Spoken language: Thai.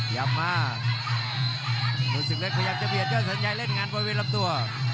ยับมาธนูศึกเล็กพยายามจะเบียดยอดแสนใยเล่นงานบริเวณลำตัว